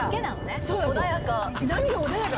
穏やか。